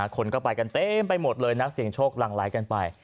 คนก็ไปกันเต็มไปหมดเลยนักเสียงโชคหลังไหลกันไป